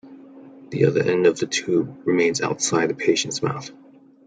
The other end of the tube remains outside the patient's mouth.